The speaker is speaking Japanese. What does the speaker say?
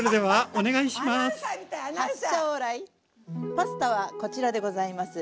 パスタはこちらでございます。